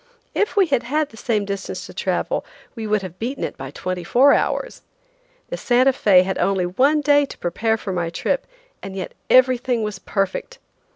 If we had had the same distance to travel we would have beaten it twenty four hours. The Santa Fé had only one day to prepare for my trip, and yet everything was perfect.